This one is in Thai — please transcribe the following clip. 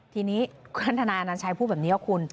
ทีนี้ท่านทนายอาณาชัยพูดแบบนี้หรอคุณ